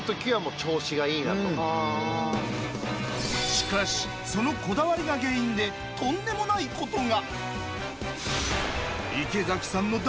しかしそのこだわりが原因でとんでもないことが。